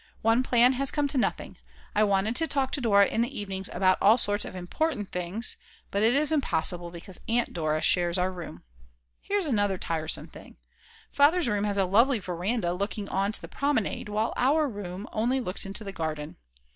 One plan has come to nothing. I wanted to talk to Dora in the evenings about all sorts of important things, but it is impossible because Aunt Dora shares our room. Here's another tiresome thing; Father's room has a lovely veranda looking on to the promenade, while our room only looks into the garden.